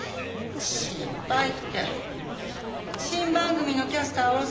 心配って新番組のキャスター降ろされる事が？